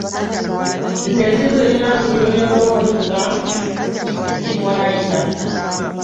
Nze nzigwerera buli lwe ndowooza gye twayita.